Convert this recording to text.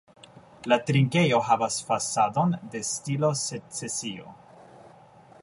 La trinkejo havas fasadon de stilo secesio.